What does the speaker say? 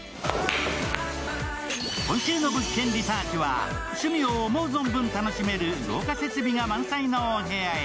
今週の「物件リサーチ」は趣味を思う存分楽しめる豪華設備が満載のお部屋へ。